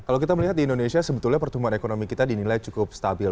kalau kita melihat di indonesia sebetulnya pertumbuhan ekonomi kita dinilai cukup stabil